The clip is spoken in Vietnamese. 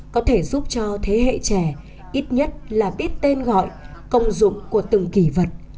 có thể giúp cho thế hệ trẻ ít nhất là biết tên gọi công dụng của từng kỳ vật